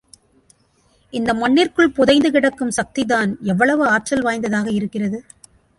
இந்த மண்ணிற்குள் புதைந்து கிடக்கும் சக்திதான் எவ்வளவு ஆற்றல் வாய்ந்ததாக இருக்கிறது.